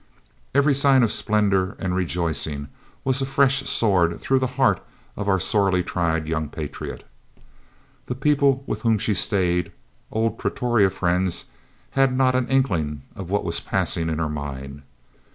Every sign of splendour and rejoicing was a fresh sword through the heart of our sorely tried young patriot. The people with whom she stayed, old Pretoria friends, had not an inkling of what was passing in her mind.